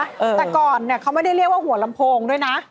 แต่ก่อนเนี่ยเขาไม่ได้เรียกว่าหัวลำโพงด้วยนะ